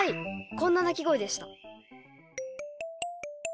こんな鳴き声でした。